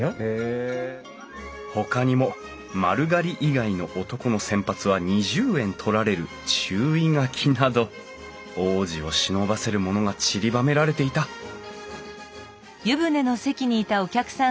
ほかにも丸刈り以外の男の洗髪は２０円取られる注意書きなど往事をしのばせるものがちりばめられていたハルさん。